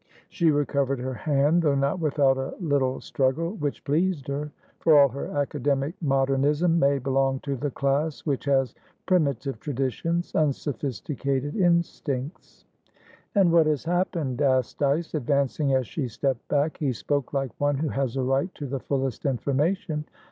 She recovered her hand, though not without a little struggle, which pleased her. For all her academic modernism, May belonged to the class which has primitive traditions, unsophisticated instincts. "And what has happened?" asked Dyce, advancing as she stepped back. He spoke like one who has a right to the fullest information.